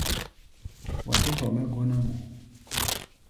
Wa tɛ́ hɔ mɛ́ gɔ́ná-mɔ.